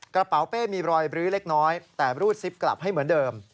กระเป๋าเป้มีรอยบรื้อเล็กน้อยแต่รูดซิปกลับให้เหมือนเดิม